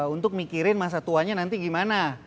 untuk mikirin masa tuanya nanti gimana